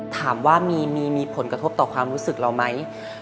ถามว่ามีผลกระทบต่อความรู้สึกเราไหม